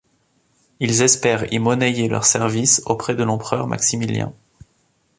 Ils espèrent y monnayer leurs services auprès de l'empereur Maximilien.